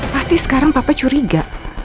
pasti sekarang papa curiga